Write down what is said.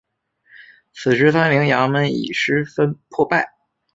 此时三陵衙门已十分破败。